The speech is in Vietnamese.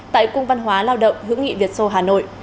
tại cung văn hóa lao động hữu nghị việt sô hà nội